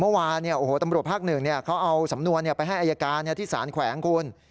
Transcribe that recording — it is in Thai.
เมื่อวานตำรวจภาคหนึ่งเขาเอาสำนวนไปให้อายการที่สารแขวงคุณ